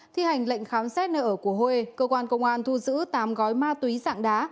thi hành lệnh khám xét nơi ở của huê cơ quan công an thu giữ tám gói ma túy dạng đá